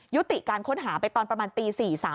ยุติการค้นหาไปตอนประมาณตี๔๓